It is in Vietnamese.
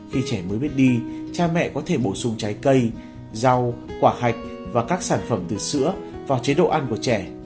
khi trẻ mới biết đi cha mẹ có thể bổ sung trái cây rau quả hạch và các sản phẩm từ sữa vào chế độ ăn của trẻ